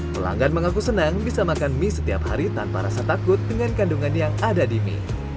pelanggan mengaku senang bisa makan mie setiap hari tanpa rasa takut dengan kandungan yang ada di mie